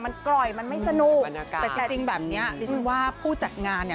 มันกร่อยมันไม่สนุกแต่จริงแบบเนี้ยดิฉันว่าผู้จัดงานเนี่ย